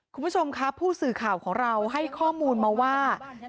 คุณผู้ชมครับผู้สื่อข่าวของเราให้ข้อมูลมาว่า